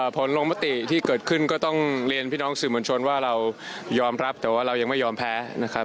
ผลลงมติที่เกิดขึ้นก็ต้องเรียนพี่น้องสื่อมวลชนว่าเรายอมรับแต่ว่าเรายังไม่ยอมแพ้นะครับ